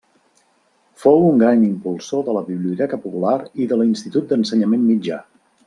Fou un gran impulsor de la Biblioteca Popular i de l'Institut d'Ensenyament Mitjà.